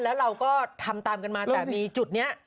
แล้วเราก็ทำตามกันมาแต่มีจุดนี้